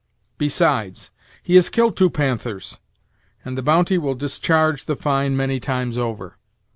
Besides, he has killed two panthers, and the bounty will discharge the fine many times over."